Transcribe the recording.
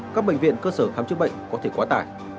các bệnh viện cơ sở khám chữa bệnh có thể quá tải